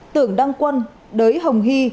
tưởng đăng quân đới hồng hy